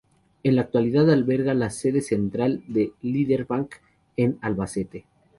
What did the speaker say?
En la actualidad alberga la sede central de Liberbank en Albacete.